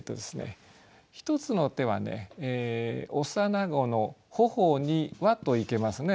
一つの手はね「幼子の頬には」といけますね。